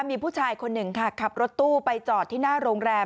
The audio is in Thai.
มีผู้ชายคนหนึ่งค่ะขับรถตู้ไปจอดที่หน้าโรงแรม